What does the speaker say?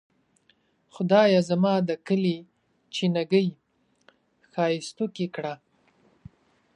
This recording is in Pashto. خدایه زما د کلي چینه ګۍ ښائستوکې کړه.